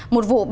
một bộ mặt